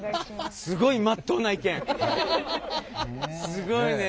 すごいね。